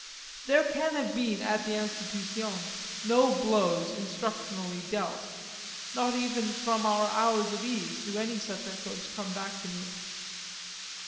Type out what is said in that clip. There can have been at the Institution no blows instructionally dealt nor even from our hours of ease do any such echoes come back to me.